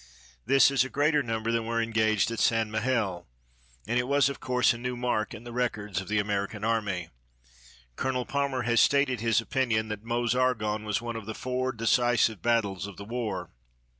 This is a greater number than were engaged at St. Mihiel, and it was, of course, a new mark in the records of the American Army. Colonel Palmer has stated his opinion that Meuse Argonne was one of the four decisive battles of the war.